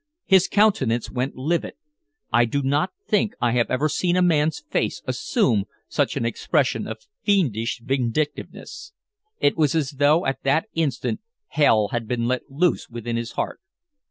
His countenance went livid. I do not think I have ever seen a man's face assume such an expression of fiendish vindictiveness. It was as though at that instant hell had been let loose within his heart.